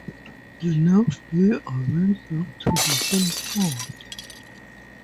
The next day I went back to the same spot.